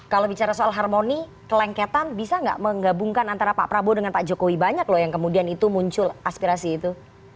kalau bicara soal harmoni kelengketan bisa nggak menggabungkan antara pak prabowo dengan pak jokowi banyak loh yang kemudian itu muncul aspirasi itu